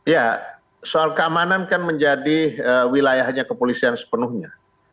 ya soal keamanan kan menjadi wilayahnya kepolisian sepenuhnya